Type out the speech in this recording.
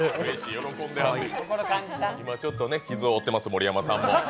今ちょっと傷を負ってます、盛山さんも。